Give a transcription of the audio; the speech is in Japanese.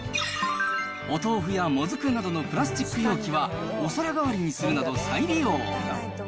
お豆腐やもずくなどのプラスチック容器は、お皿代わりにするなど、再利用。